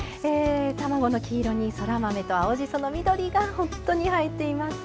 卵の黄色にそら豆と青じその緑がほんとに映えています。